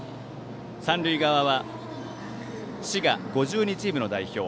三塁側は滋賀５２チームの代表